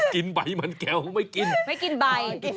กินใบมันแก้วไม่กินไม่กินใบ